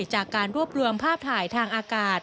จากการรวบรวมภาพถ่ายทางอากาศ